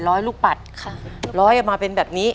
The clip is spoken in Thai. ล้อยลูกปัดล้อยออกมาเป็นแบบนี้